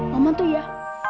maman tuh ya